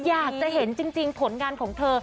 อยากจะเห็นจริงผลงานของเธอ